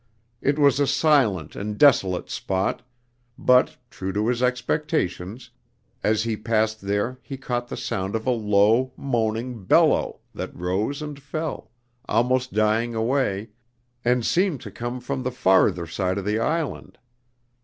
It was a silent and desolate spot, but, true to his expectations, as he passed there he caught the sound of a low, moaning bellow that rose and fell, almost dying away, and seemed to come from the farther side of the island.